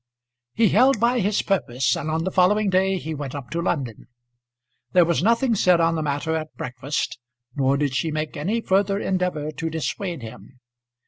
He held by his purpose, and on the following day he went up to London. There was nothing said on the matter at breakfast, nor did she make any further endeavour to dissuade him.